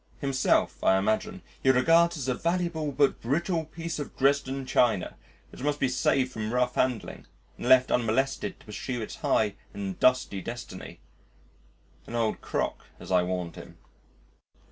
Himself, I imagine, he regards as a valuable but brittle piece of Dresden china which must be saved from rough handling and left unmolested to pursue its high and dusty destiny an old crock as I warned him.